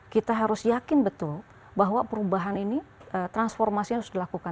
kita harus yakin betul bahwa perubahan ini transformasi harus dilakukan